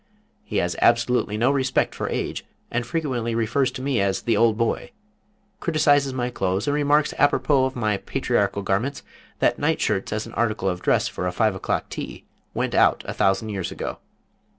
He has absolutely no respect for age, and frequently refers to me as "the old boy," criticizes my clothes, and remarks apropos of my patriarchal garments that night shirts as an article of dress for a five o'clock tea went out a thousand years ago.